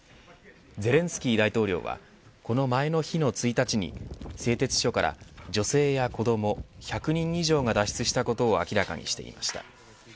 ゼレンスキー大統領はこの前の日の１日に製鉄所から女性や子ども１００人以上が脱出したことを明らかにしていました。